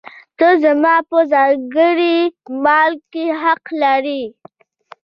ته زما په ځانګړي مال کې حق لرې.